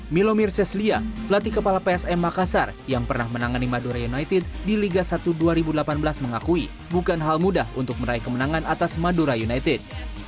milomir seslia pelatih kepala psm makassar yang pernah menangani madura united di liga satu dua ribu delapan belas mengakui bukan hal mudah untuk meraih kemenangan atas madura united